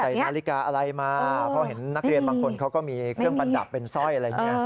นาฬิกาอะไรมาเพราะเห็นนักเรียนบางคนเขาก็มีเครื่องประดับเป็นสร้อยอะไรอย่างนี้